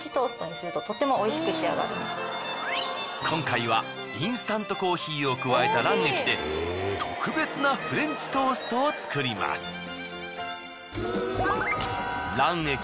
今回はインスタントコーヒーを加えた卵液で特別なフレンチトーストを作ります。